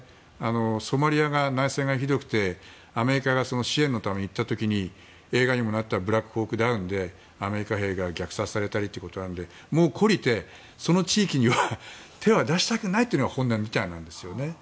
ソマリアが内戦がひどくてアメリカが支援のために行った時に映画にもなった「ブラックホーク・ダウン」でアメリカ兵が虐殺されたりということなのでもう懲りて、その地域には手は出したくないのが本音みたいなんです。